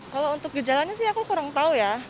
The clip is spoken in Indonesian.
kalau untuk gejalanya sih aku kurang tahu ya